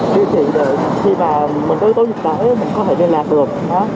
địa chỉ để khi mà mình đối tố dịch tải mình có thể liên lạc được